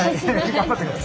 頑張ってください。